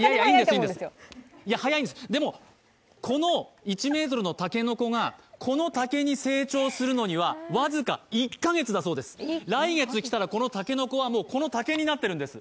でも、この１ｍの竹の子がこの竹に成長するのには僅か１か月だそうです、来月来たら、この竹の子はもうこの竹になってるんです。